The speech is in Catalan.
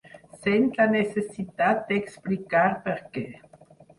Sent la necessitat d'explicar per què.